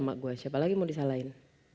sama gue siapa lagi mau disalahin